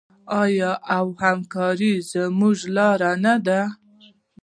آیا او همکاري زموږ لاره نه ده؟